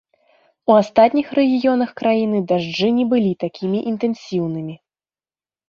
У астатніх рэгіёнах краіны дажджы не былі такімі інтэнсіўнымі.